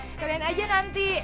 sekalian aja nanti